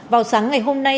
vào sáng ngày hôm nay